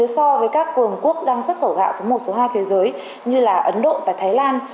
so với các cường quốc đang xuất khẩu gạo số một số hai thế giới như là ấn độ và thái lan